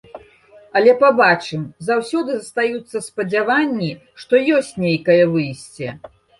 Але пабачым, заўсёды застаюцца спадзяванні, што ёсць нейкае выйсце.